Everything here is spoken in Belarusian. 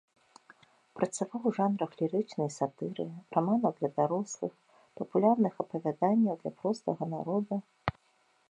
Працаваў у жанрах лірычнай сатыры, раманаў для дарослых, папулярных апавяданняў для простага народа.